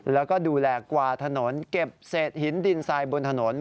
แล้วก็ดูแลกวาถนนเก็บเศษหินดินทรายบนถนน